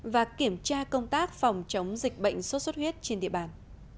và kiểm tra công tác phòng chống dịch bệnh sốt xuất huyết trên địa bàn